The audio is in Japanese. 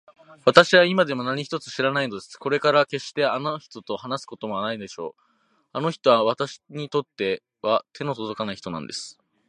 わたしは今でも何一つ知らないのです。これからもけっしてあの人と話すことはないでしょうし、あの人はわたしにとっては手のとどかない人なんです。